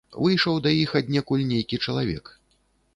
Выйшаў да іх аднекуль нейкі чалавек.